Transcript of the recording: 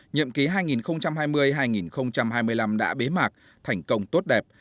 nhậm ký hai nghìn hai mươi hai nghìn hai mươi năm đã bế mạc thành công tốt đẹp